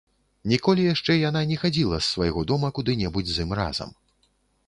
Ніколі яшчэ яна не хадзіла з свайго дома куды-небудзь з ім разам.